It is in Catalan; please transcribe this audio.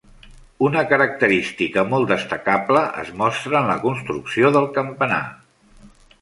Una característica molt destacable es mostra en la construcció del campanar.